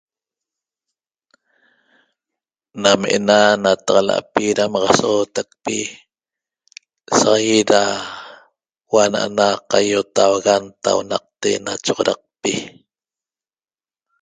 Name na natan naxalapi da damaxaguetaso taqpi saxague da hua'a na ena Qaihuot texa natunaqte na choxoraqpi